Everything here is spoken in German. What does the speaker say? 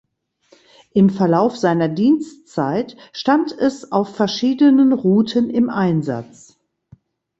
Im Verlauf seiner Dienstzeit stand es auf verschiedenen Routen im Einsatz.